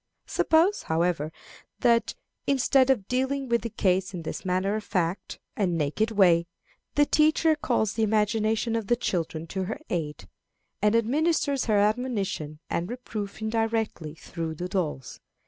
Suppose, however, that, instead of dealing with the case in this matter of fact and naked way, the teacher calls the imagination of the children to her aid, and administers her admonition and reproof indirectly, through the dolls.